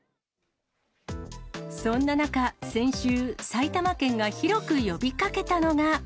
そんな中、先週、埼玉県が広く呼びかけたのが。